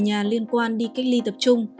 nhà liên quan đi cách ly tập trung